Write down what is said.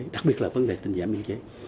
đặc biệt là vấn đề tinh dạng biên chế